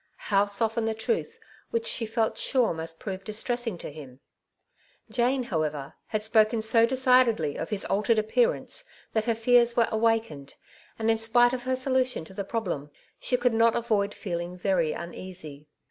how soften the tmih which she felt sure must prove distressing to him f Jane^ however^ had spoken so decidedly of his altered appearance, that her fears were awakened, and in spite of her solution to the problem, she could not avoid feeling very uneasy.